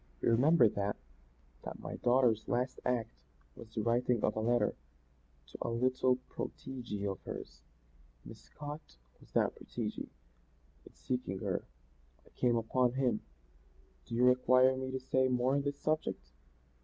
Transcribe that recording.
You remember that that my daughter's last act was the writing of a letter to a little protegee of hers. Miss Scott was that protegee. In seeking her, I came upon him. Do you require me to say more on this subject?